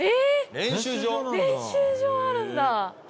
練習場あるんだ。